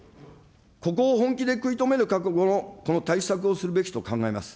ここを本気で食い止める覚悟のこの対策をするべきと考えます。